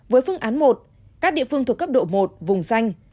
với phương án một các địa phương thuộc cấp độ một vùng xanh